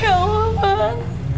ya allah bang